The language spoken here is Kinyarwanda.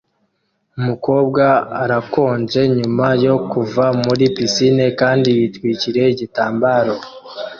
Umukobwa arakonje nyuma yo kuva muri pisine kandi yitwikiriye igitambaro